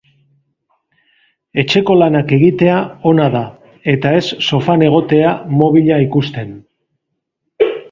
Etxeko lanak egitea ona da eta ez sofan egotea mobila ikusten.